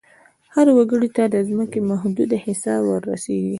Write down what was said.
هر وګړي ته د ځمکې محدوده حصه ور رسیږي.